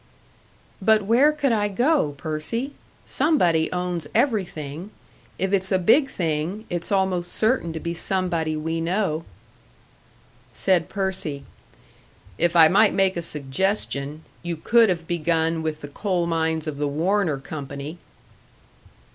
"But where could I go, Percy? Somebody owns everything. If it's a big thing, it's almost certain to be somebody we know." Said Percy, "If I might make a suggestion, you could have begun with the coal mines of the Warner Company."